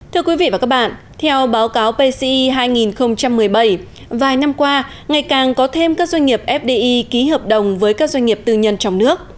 thưa quý vị và các bạn theo báo cáo pci hai nghìn một mươi bảy vài năm qua ngày càng có thêm các doanh nghiệp fdi ký hợp đồng với các doanh nghiệp tư nhân trong nước